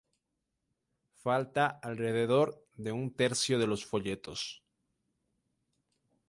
Falta alrededor de un tercio de los folletos.